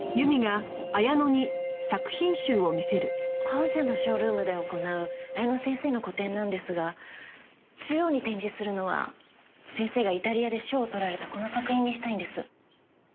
本社のショールームで行う彩乃先生の個展なんですが中央に展示するのは先生がイタリアで賞をとられたこの作品にしたいんです。